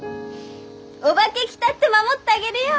お化け来たって守ってあげるよ！